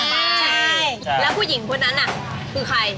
ใช่แล้วผู้หญิงคนนั้นน่ะคือใคร